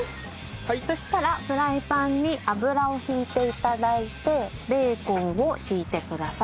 そうしたらフライパンに油を引いて頂いてベーコンを敷いてください。